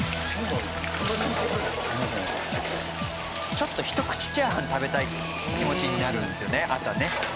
ちょっとひと口チャーハン食べたい気持ちになるんですよね朝ね。